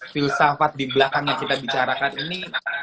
filsafat dibelakangnya kita bicarakan ini